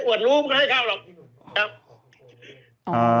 อวดรู้มันก็ให้เข้าหรอกครับ